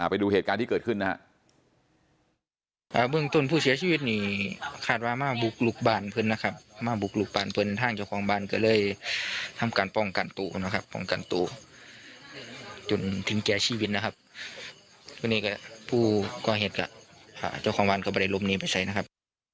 ไปดูเหตุการณ์ที่เกิดขึ้นนะครับ